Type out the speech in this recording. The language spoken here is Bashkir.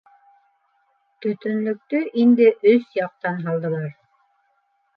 Төтөнлөктө инде өс яҡтан һалдылар.